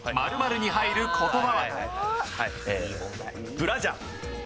ブラジャー。